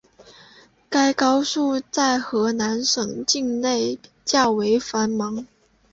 该高速在河南省境内较为繁忙。